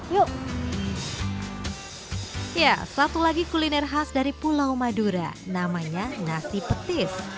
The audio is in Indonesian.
yuk ya satu lagi kuliner khas dari pulau madura namanya nasi petis